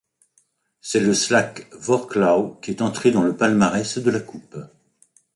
C'est le Śląsk Wrocław qui est entré dans le palmarès de la coupe.